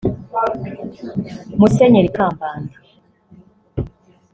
Musenyeri Kambanda